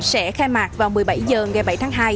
sẽ khai mạc vào một mươi bảy h ngày bảy tháng hai